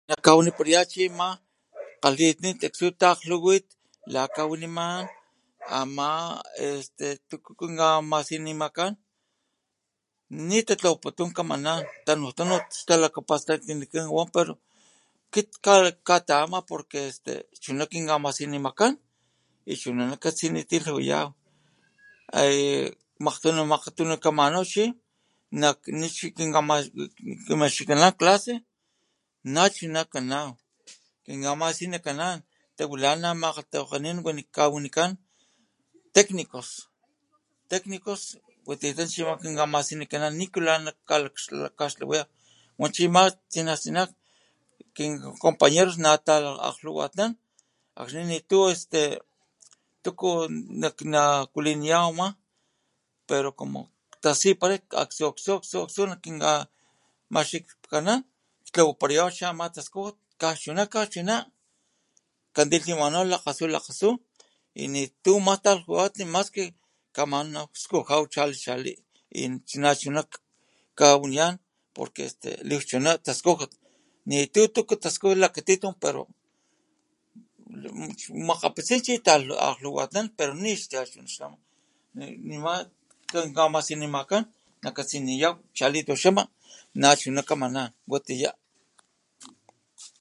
Najkwanipalayan chi ama kgalinit kit aktsu takglhuwit lajkawaniman ama este tuku kinkamasinimakan nitatlawaputun kamanan tanu tanu xtalakapastaknikan pero este jkata'ama porque este chuna kinkamasinimakan y chuna nakatsinitilhayaw e makgtunu, makgtunu kamanaw y kinkamxkikanan clase nachuna kana kinkamasinikanan tawilana makgalhtawakgenanin kawanikan tecnicos tecnicos watiyata chi kinkamasinikanan nikula na kaxtlawaya wachi ama tsinaj tsina kin compañeros na ta'akglhuwatnan akxni nitu este tuku nak nakwaliniyaw ama pero como tasipala aktsu, aktsu, aktsu, aktsu nakinkamaxkikanan tlawaparayaw chi ama taskujut kaxchuna, kaxchuna katikaxtlawamanaw lakgasut kamanaw skuja chali chali nachuna jkawaniyan porque este liwchuna taskujut nitu tuku taskuja lakatitum pero makgapitsin chi ta'akglhuwatnan pero nixtatun chi nima kinkamasinimakan kakastiniyaw chali tuxama nachuna kamanan. Watiya.